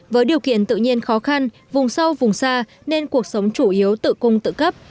với điều kiện tự nhiên khó khăn vùng sâu vùng xa nên cuộc sống chủ yếu tự cung tự cấp